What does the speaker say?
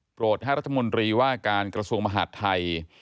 ให้รัฐมนตรีว่าการกระทรวงมหาดไทย